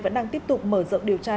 vẫn đang tiếp tục mở rộng điều tra